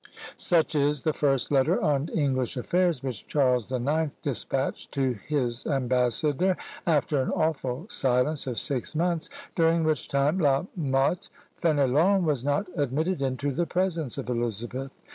Such is the first letter on English affairs which Charles the Ninth despatched to his ambassador, after an awful silence of six months, during which time La Motte Fénélon was not admitted into the presence of Elizabeth.